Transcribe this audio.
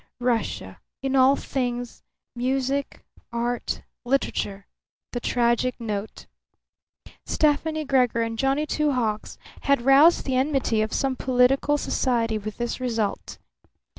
Russia, in all things music, art, literature the tragic note. Stefani Gregor and Johnny Two Hawks had roused the enmity of some political society with this result.